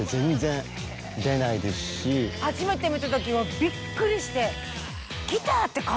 初めて見た時はびっくりして。